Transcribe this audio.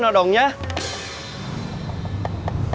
nggak ada yang nge subscribe